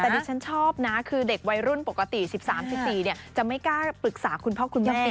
แต่ดิฉันชอบนะคือเด็กวัยรุ่นปกติ๑๓๑๔จะไม่กล้าปรึกษาคุณพ่อคุณแม่